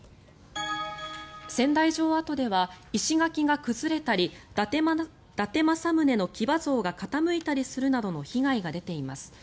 仙台城跡では石垣が崩れたり伊達政宗公の騎馬像が傾いたりするなどの被害が出ています。